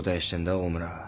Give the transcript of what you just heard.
大村。